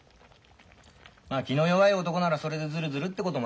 まあ気の弱い男ならそれでズルズルってこともあるもんな。